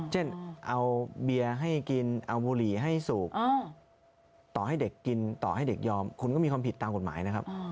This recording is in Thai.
เช่นเอาเบียร์ให้กินเอาบุหรี่ให้สูบต่อให้เด็กกินต่อให้เด็กยอมคุณก็มีความผิดตามกฎหมายนะครับ